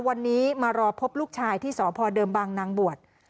วันนี้มารอพบลูกชายที่สพเดิมบางนางบวช